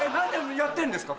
やってんですか？